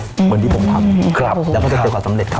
เหมือนที่ผมทำแล้วก็จะเจอความสำเร็จครับ